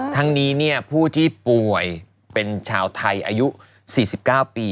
ทั้งนี้ผู้ที่ป่วยเป็นชาวไทยอายุ๔๙ปี